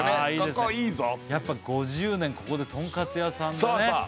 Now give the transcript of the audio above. ここいいぞってやっぱ５０年ここでとんかつ屋さんがね